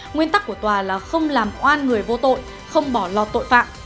nguyên tắc của tòa là không làm oan người vô tội không bỏ lọt tội phạm